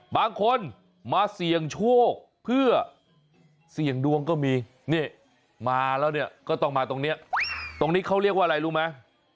บางคนมาเสี่ยงโชคเพื่อเสี่ยงดวงก็มีนี่มาแล้วเนี่ยก็ต้องมาตรงนี้ตรงนี้เขาเรียกว่าอะไรรู้ไหม